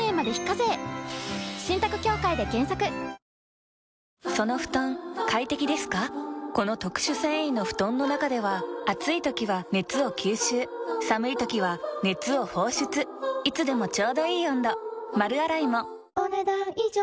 いいじゃないだってこの特殊繊維の布団の中では暑い時は熱を吸収寒い時は熱を放出いつでもちょうどいい温度丸洗いもお、ねだん以上。